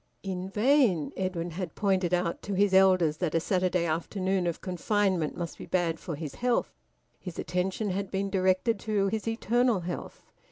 In vain Edwin had pointed out to his elders that a Saturday afternoon of confinement must be bad for his health. His attention had been directed to his eternal health.